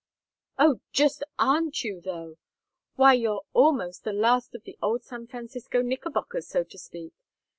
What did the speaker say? "Oh, just aren't you, though? Why, you're almost the last of the old San Francisco Knickerbockers, so to speak.